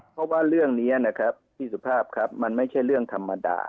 เพราะว่าเรื่องนี้นะครับพี่สุภาพครับมันไม่ใช่เรื่องธรรมดา